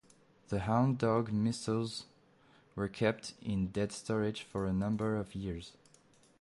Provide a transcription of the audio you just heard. The Hound Dog missiles were kept in dead storage for a number of years.